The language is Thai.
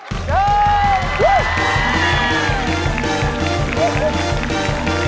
โอ๊ยโอ๊ยโอ๊ยโอ๊ยโอ๊ย